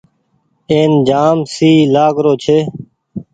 اين جآم سئي لآگ رو ڇي۔